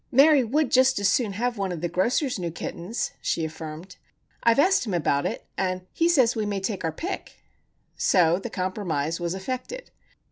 "Mary would just as soon have one of the grocer's new kittens," she affirmed. "I've asked him about it, and he says we may take our pick." So the compromise was effected.